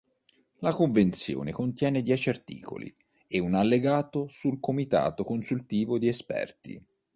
La Convenzione contiene dieci articoli e un allegato sul Comitato consultivo di esperti.